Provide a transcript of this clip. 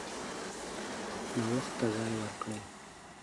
نوښت ته ځای ورکړئ.